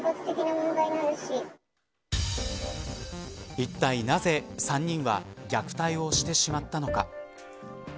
いったい、なぜ３人は虐待をしてしまったのか。